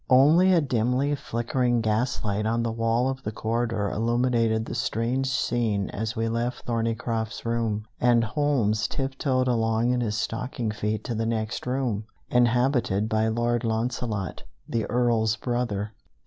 Only a dimly flickering gas light on the wall of the corridor illuminated the strange scene as we left Thorneycroft's room, and Holmes tiptoed along in his stocking feet to the next room, inhabited by Lord Launcelot, the Earl's brother.